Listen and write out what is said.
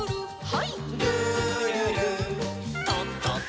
はい。